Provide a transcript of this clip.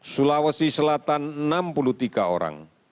sulawesi selatan enam puluh tiga orang